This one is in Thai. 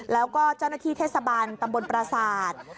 แล้วก็เจ้าหน้าที่เทศบาลตำบลปราศาสตร์